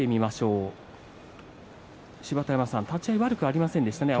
芝田山さん、立ち合い悪くありませんでしたよね。